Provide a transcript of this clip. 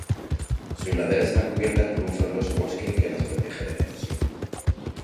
Sus laderas están cubiertas por un frondoso bosque, que las protege de la erosión.